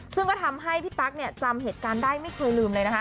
ซึ่งก็ทำให้พี่ตั๊กจำเหตุการณ์ได้ไม่เคยลืมเลยนะคะ